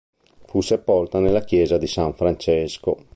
Fu sepolta nella chiesa di San Francesco.